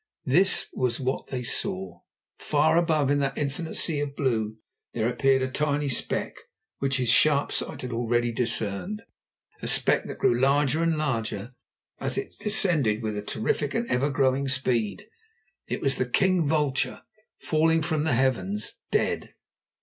This was what they saw. Far, far above in that infinite sea of blue there appeared a tiny speck, which his sharp sight had already discerned, a speck that grew larger and larger as it descended with terrific and ever growing speed. _It was the king vulture falling from the heavens—dead!